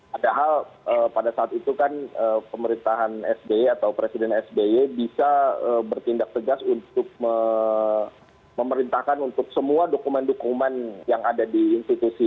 padahal pada saat itu kan pemerintahan sby atau presiden sby bisa bertindak tegas untuk memerintahkan untuk semua dokumen dokumen yang ada di institusi